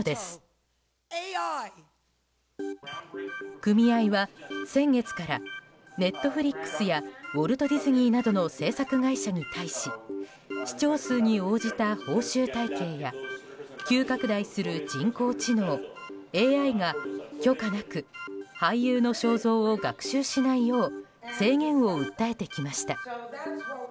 組合は先月からＮｅｔｆｌｉｘやウォルト・ディズニーなどの制作会社に対し視聴数に応じた報酬体系や急拡大する人工知能・ＡＩが許可なく俳優の肖像を学習しないよう制限を訴えてきました。